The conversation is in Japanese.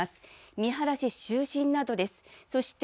三原市などです、そして、